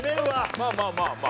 まあまあまあまあ。